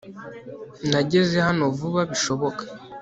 Nageze hano vuba bishoboka